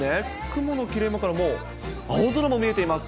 雲の切れ間からもう青空も見えています。